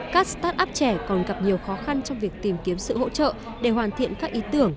các start up trẻ còn gặp nhiều khó khăn trong việc tìm kiếm sự hỗ trợ để hoàn thiện các ý tưởng